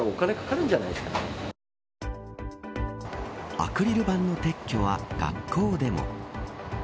アクリル板の撤去は学校でも。